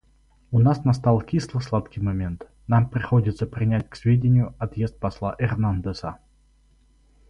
У нас настал кисло-сладкий момент: нам приходится принять к сведению отъезд посла Эрнандеса.